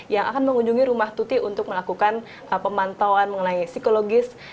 yang akan mengunjungi rumah tuti untuk melakukan pemantauan mengenai psikologis